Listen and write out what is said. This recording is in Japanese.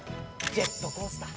ジェットコースター。